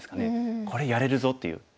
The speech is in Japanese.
これやれるぞという。